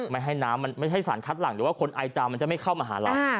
ไม่ให้น้ำมันไม่ใช่สารคัดหลังหรือว่าคนไอจามันจะไม่เข้ามาหาเรา